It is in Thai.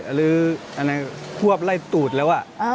หรือขวบไล่ตูดแล้ว